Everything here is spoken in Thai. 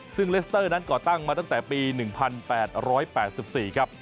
ซึ่งเลสเตอร์นั้นก่อตั้งมาตั้งแต่ปี๑๘๘๔ครับ